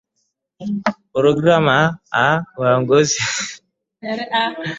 Programu ya uongozi